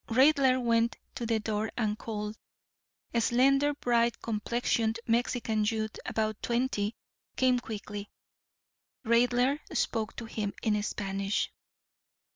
Raidler went to the door and called. A slender, bright complexioned Mexican youth about twenty came quickly. Raidler spoke to him in Spanish.